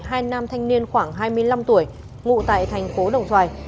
hai nam thanh niên khoảng hai mươi năm tuổi ngụ tại thành phố đồng xoài